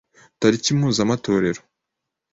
tariki ya mpuzamatorero